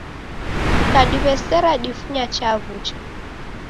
Mkadiw'esera difunya chaw'ucha